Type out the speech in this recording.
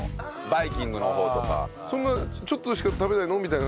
そんなちょっとしか食べないの？みたいな。